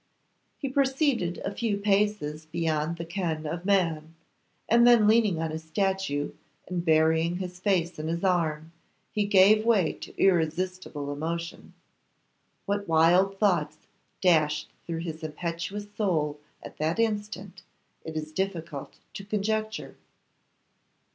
He proceeded a few paces beyond the ken of man, and then leaning on a statue, and burying his face in his arm, he gave way to irresistible emotion. What wild thoughts dashed through his impetuous soul at that instant, it is difficult to conjecture.